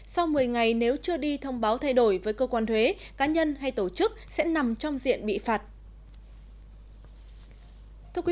sau một mươi ngày nếu chưa đi thông báo thay đổi với cơ quan thuế cá nhân hay tổ chức sẽ nằm trong diện bị phạt